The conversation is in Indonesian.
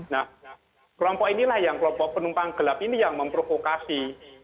nah kelompok inilah yang kelompok penumpang gelap ini yang memprovokasi